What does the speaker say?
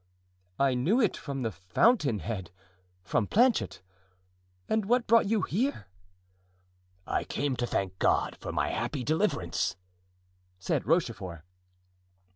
"I knew it from the fountain head—from Planchet. And what brought you here?" "I came to thank God for my happy deliverance," said Rochefort.